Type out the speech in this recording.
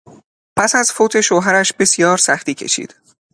پس از فوت شوهرش بسیار سختی کشید.